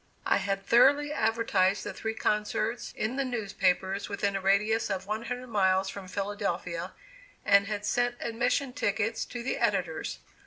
I had thoroughly advertised the three concerts, in the newspapers within a radius of one hundred miles from Philadelphia, and had sent admission tickets to the editors.